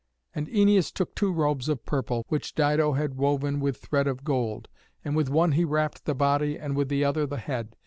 And Æneas took two robes of purple, which Dido had woven with thread of gold, and with one he wrapped the body and with the other the head.